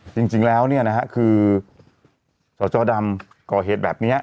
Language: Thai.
จริงแล้วเนี่ยนะฮะคือสจดำก่อเหตุแบบนี้